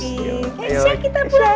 keisha kita pulang ya